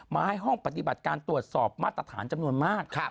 มาให้ห้องปฏิบัติการตรวจสอบมาตรฐานจำนวนมาก